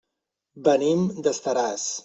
Venim d'Estaràs.